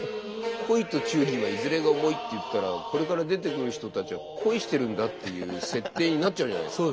「恋と忠義はいづれが重い」って言ったらこれから出てくる人たちは恋してるんだっていう設定になっちゃうじゃないですか。